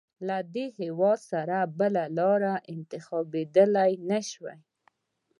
له دې هېواد سره بله لاره انتخابېدلای نه شوای.